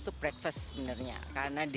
untuk breakfast sebenarnya karena di